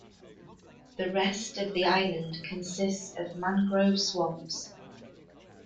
The rest of the island consists of mangrove swamps.